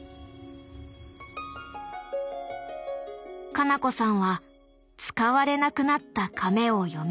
花菜子さんは使われなくなったかめをよみがえらせた。